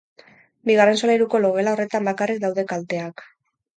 Bigarren solairuko logela horretan bakarrik daude kalteak.